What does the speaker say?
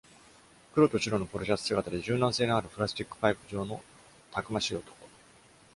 黒と白のポロシャツ姿で、柔軟性のあるプラスチックパイプ上のたくましい男。